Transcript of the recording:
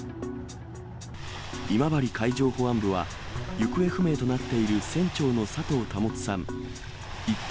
今治海上保安部は、行方不明となっている船長の佐藤保さん、一等